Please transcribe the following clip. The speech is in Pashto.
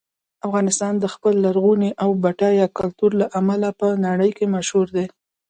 افغانستان د خپل لرغوني او بډایه کلتور له امله په نړۍ کې مشهور دی.